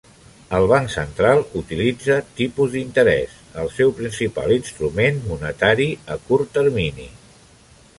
El banc central utilitza tipus d'interès, el seu principal instrument monetari a curt termini.